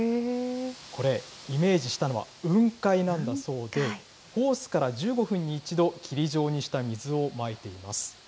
これ、イメージしたのは雲海なんだそうで、ホースから１５分に１度、霧状にした水をまいています。